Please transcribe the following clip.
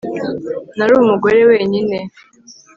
Nari umugore wenyine